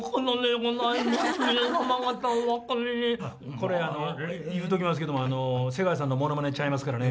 これ言うときますけども瀬川さんのモノマネちゃいますからね。